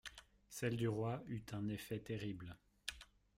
Celle du roi eut un effet terrible.